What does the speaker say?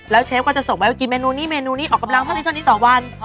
แล้วเชฟก็จะส่งไว้ว่ากินเมนูนี้เมนูนี้อกับร้านพันชาตินี้ต่อวัน